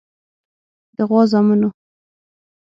د غوا زامنو.